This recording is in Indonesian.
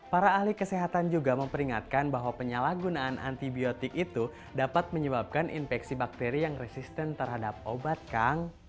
para ahli kesehatan juga memperingatkan bahwa penyalahgunaan antibiotik itu dapat menyebabkan infeksi bakteri yang resisten terhadap obat kang